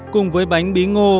cùng với bánh bí ngô